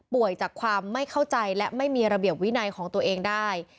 จากความไม่เข้าใจและไม่มีระเบียบวินัยของตัวเองได้